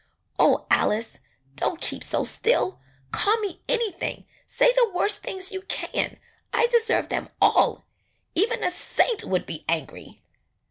Oh, Alice, don't keep so still. Call me anything! Say the worst things you can; I [ 24 ] ^AN EASTER LILY deserve them all. Even a saint would be angry